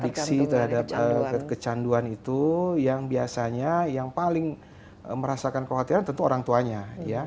adiksi terhadap kecanduan itu yang biasanya yang paling merasakan kekhawatiran tentu orang tuanya ya